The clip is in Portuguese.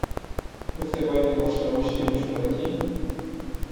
Você vai me mostrar os filmes por aqui?